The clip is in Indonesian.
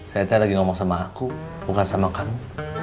saya tadi sedang berbicara sama aku bukan sama kamu